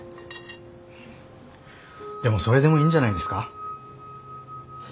でもそれでもいいんじゃないですか？